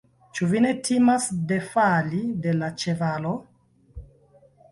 Ĉu vi ne timas defali de la ĉevalo?